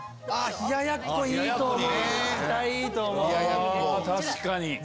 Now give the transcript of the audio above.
確かに。